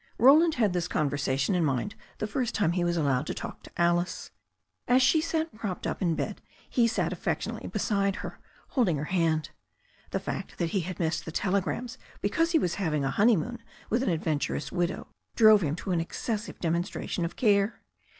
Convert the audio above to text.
Roland had this conversation in mind the first time he was allowed to talk to Alice. As she sat propped up in bed he sat affectionately beside her, holding her hand. The fact that he had missed the telegrams because he was having a honeymoon with an adventurous widow drove him to an excessive demonstration of care.